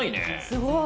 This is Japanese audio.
すごい。